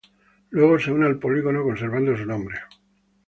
Luego se une al polígono, conservando su nombre.